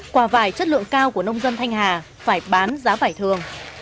quả vải chất lượng cao của nông dân thanh hà phải bán giá vải thường